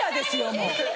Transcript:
もう。